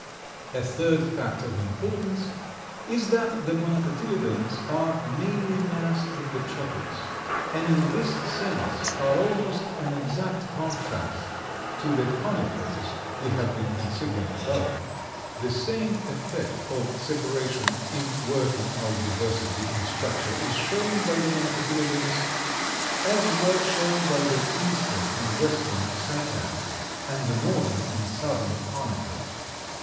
A third fact of importance is that the Monocotyledons are mainly massed in the tropics, and in this sense are almost an exact contrast to the Conifers we have been considering above. The same effect of separation in working out diversity in structure is shown by the Monocotyledons as was shown by the eastern and western Cycads, and the northern and southern Conifers.